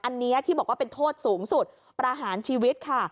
อันนี้ที่บอกว่าเป็นโทษสูงสุดประหารชีวิตค่ะ